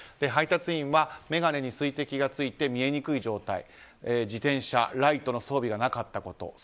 配達員は眼鏡に水滴がついて見えにくい状態自転車はライトの装備がなかったこと。